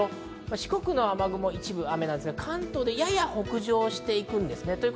四国の雨雲は一部雨なんですが、関東でやや北上していくんですね。